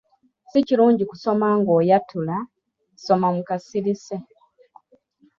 Si kirungi kusoma ng'oyatula, soma mu kasirise.